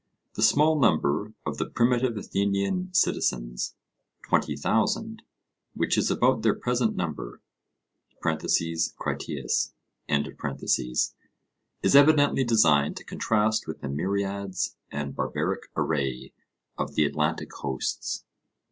The small number of the primitive Athenian citizens (20,000), 'which is about their present number' (Crit.), is evidently designed to contrast with the myriads and barbaric array of the Atlantic hosts.